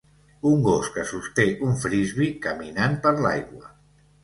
Un gos que sosté un Frisbee caminant per l'aigua.